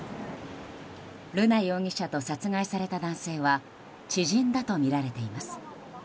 瑠奈容疑者と殺害された男性は知人だとみられています。